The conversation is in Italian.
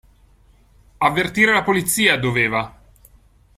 Avvertire la polizia, doveva.